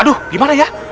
aduh gimana ya